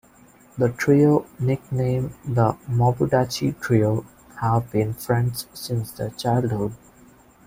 The trio, nicknamed the Mabudachi Trio, have been friends since their childhood.